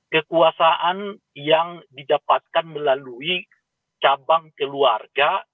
kekuasaan yang didapatkan melalui cabang keluarga